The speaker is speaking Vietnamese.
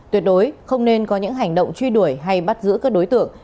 tuyệt đối không nên có những hành động truy đuổi hay bắt giữ các đối tượng